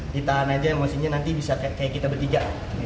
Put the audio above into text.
kita nganjurin aja emosinya nanti bisa kayak kita bertiga